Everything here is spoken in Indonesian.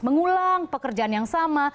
mengulang pekerjaan yang sama